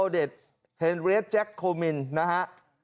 เด็ดเฮนเรียสแจ็คโคมินนะฮะ